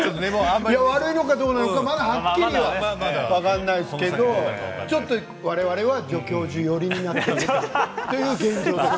まだ、はっきり分からないですけどちょっと我々は助教授寄りになったという現状です